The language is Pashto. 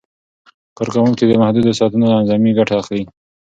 کارکوونکي د محدودو ساعتونو اعظمي ګټه اخلي.